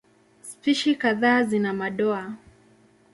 Spishi kadhaa zina madoa.